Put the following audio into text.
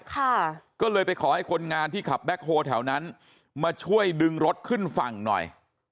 ค่ะก็เลยไปขอให้คนงานที่ขับแบ็คโฮลแถวนั้นมาช่วยดึงรถขึ้นฝั่งหน่อย